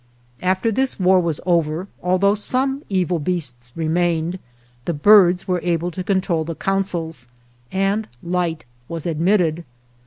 After this war was over, although some evil beasts remained, the birds were able to control the councils, and light was admitted.